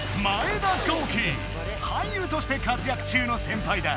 俳優として活躍中の先輩だ。